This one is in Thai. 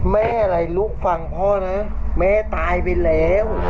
แม่อะไรลูกฟังพ่อนะแม่ตายไปแล้ว